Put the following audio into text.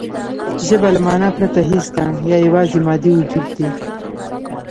ژبه له مانا پرته هېڅ ده یا یواځې مادي وجود دی